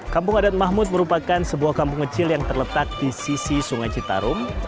kampung adat mahmud merupakan sebuah kampung kecil yang terletak di sisi sungai citarum